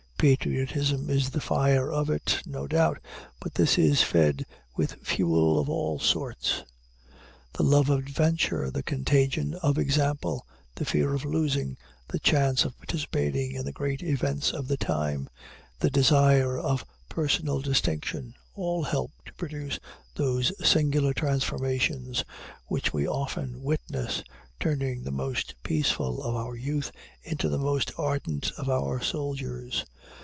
Patriotism is the fire of it, no doubt, but this is fed with fuel of all sorts. The love of adventure, the contagion of example, the fear of losing the chance of participating in the great events of the time, the desire of personal distinction, all help to produce those singular transformations which we often witness, turning the most peaceful of our youth into the most ardent of our soldiers.